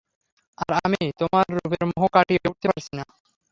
আর আমি তোমার রূপের মোহ কাটিয়ে উঠতে পারছি না।